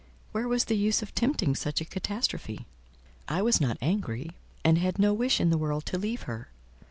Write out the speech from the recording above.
Where was the use of tempting such a catastrophe? I was not angry, and had no wish in the world to leave her.